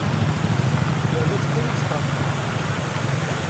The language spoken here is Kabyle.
Irra-tt kan i wesṭerṭer.